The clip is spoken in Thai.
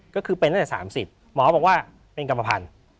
ก็คือเป็นตั้งแต่๓๐หมอบอกว่าเป็นกรรมพันธุ์